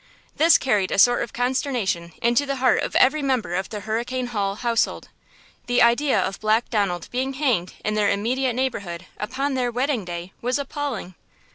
This carried a sort of consternation into the heart of every member of the Hurricane Hall household! The idea of Black Donald being hanged in their immediate neighborhood upon their wedding day was appalling!